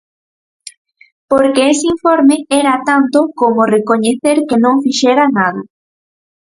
Porque ese informe era tanto como recoñecer que non fixera nada.